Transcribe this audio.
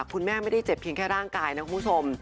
คุณแม่ไม่ได้เจ็บเพียงแค่ร่างกายนะคุณผู้ชม